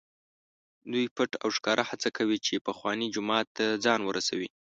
دوی پټ او ښکاره هڅه کوي چې پخواني جومات ته ځان ورسوي.